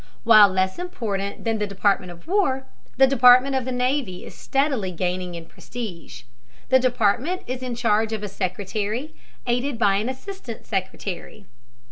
While less important than the Department of War, the Department of the Navy is steadily gaining in prestige. The Department is in charge of a Secretary, aided by an assistant secretary.